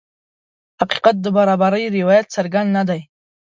حقیقت د برابرۍ روایت څرګند نه دی.